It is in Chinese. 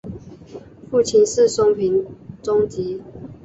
父亲是松平忠吉。